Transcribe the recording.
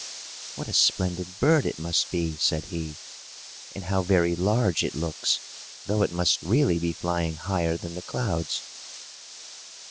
"What a splendid bird it must be!" said he. "And how very large it looks, though it must really be flying higher than the clouds!"